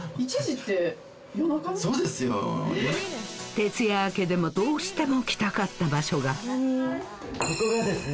徹夜明けでもどうしても来たかった場所がここがですね